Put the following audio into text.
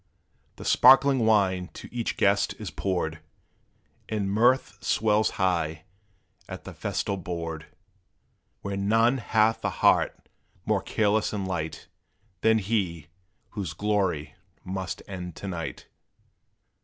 The sparkling wine to each guest is poured, And mirth swells high at the festal board, Where none hath the heart more careless and light, Than he, whose glory must end to night.